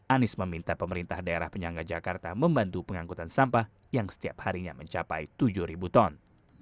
anies meminta pemerintah daerah penyangga jakarta membantu pengangkutan sampah yang setiap harinya mencapai tujuh ton